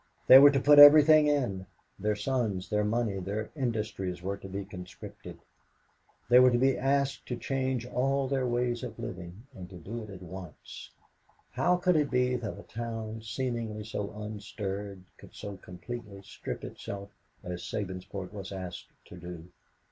They were to put everything in their sons, their money, their industries, were to be conscripted. They were to be asked to change all their ways of living, and to do it at once. How could it be that a town, seemingly so unstirred, would so completely strip itself as Sabinsport was asked to do?